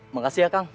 makasih ya kang